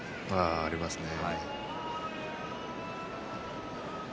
ありますね。